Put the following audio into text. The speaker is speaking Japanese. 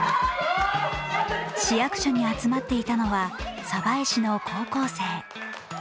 市役所に集まっていたのは鯖江市の高校生。